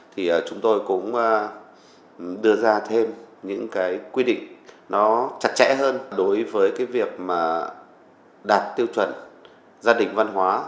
thì chúng tôi cũng đưa ra thêm những quy định chặt chẽ hơn đối với việc đạt tiêu chuẩn gia đình văn hóa